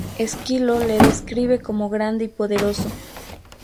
Esquilo le describe como grande y poderoso.